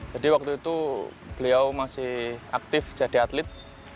jadi waktu itu beliau masih aktif jadi atlet